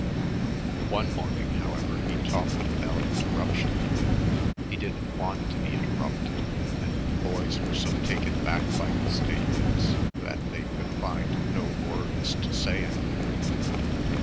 One morning, however, he talked without interruption. He didn't want to be interrupted, and the boys were so taken back by his statements that they could find no words to say anything.